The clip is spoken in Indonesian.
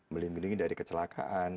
melindungi dari kecelakaan